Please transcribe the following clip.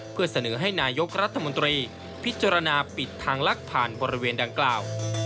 เพื่อเสนอให้นายกรัฐมนตรีพิจารณาปิดทางลักผ่านบริเวณดังกล่าว